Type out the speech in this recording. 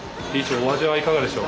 お味はいかがでしょう？